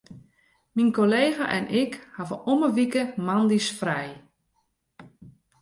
Myn kollega en ik hawwe om 'e wike moandeis frij.